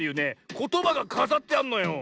ことばがかざってあんのよ。